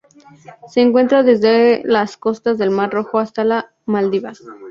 Se encuentra desde las costas del Mar Rojo hasta las Maldivas.